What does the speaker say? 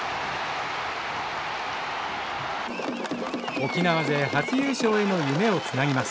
沖縄勢初優勝への夢をつなぎます。